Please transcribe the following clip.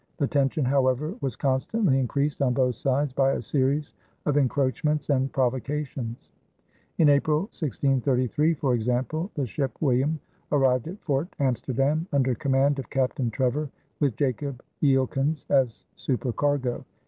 The tension, however, was constantly increased on both sides by a series of encroachments and provocations. In April, 1633, for example, the ship William arrived at Fort Amsterdam under command of Captain Trevor, with Jacob Eelkens as supercargo.